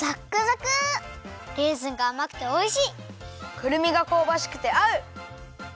くるみがこうばしくてあう！